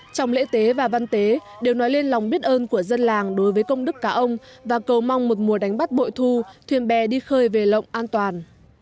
trong lễ tế và văn tế đều nói lên lòng biết ơn của dân làng đối với công đức cả ông và cầu mong một mùa đánh bắt bội thu thuyền bè đi khơi về lộng an toàn